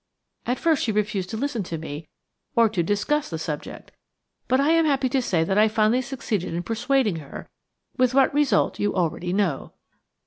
At first she refused to listen to me or to discuss the subject, but I am happy to say that I finally succeeded in persuading her, with what result you already know."